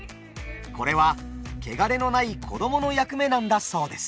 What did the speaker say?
これは汚れのない子供の役目なんだそうです。